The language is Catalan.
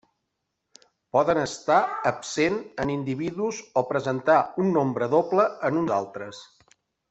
Poden estar absent en uns individus o presentar un nombre doble en uns altres.